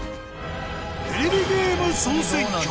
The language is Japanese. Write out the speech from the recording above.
『テレビゲーム総選挙』